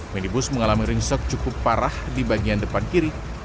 minibus mengalami ringsek cukup parah di bagian depan kiri